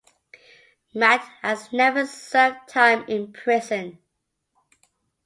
Matt has never served time in prison.